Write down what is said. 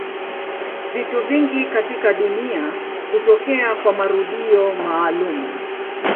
Vitu vingi katika dunia hutokea kwa marudio maalumu.